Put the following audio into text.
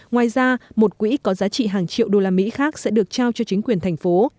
ngoài ra một quỹ có giá trị hàng triệu đô la mỹ khác sẽ được trao cho chính quyền thành phố